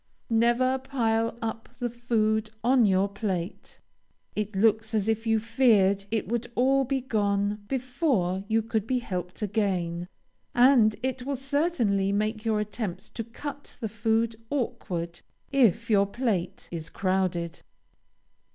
Never pile up the food on your plate. It looks as if you feared it would all be gone before you could be helped again, and it will certainly make your attempts to cut the food awkward, if your plate is crowded.